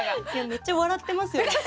めっちゃ笑ってますよね？